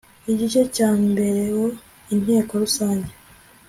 igice cya mbereo intek rusange